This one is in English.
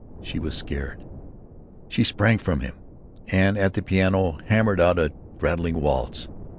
She was sacred. She sprang from him, and at the piano hammered out a rattling waltz.